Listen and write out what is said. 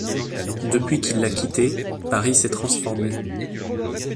Depuis qu’il l’a quitté, Paris s’est transformé.